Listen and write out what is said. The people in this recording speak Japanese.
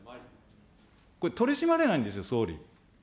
これ、取り締まれないんですよ、総理。